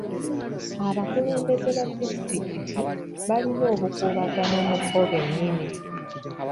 Abakulembeze ba disitulikiti balina obukuubagano mu bo bennyini.